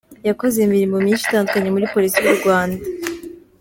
Yakoze imirimo myinshi itandukanye muri Polisi y’u Rwanda.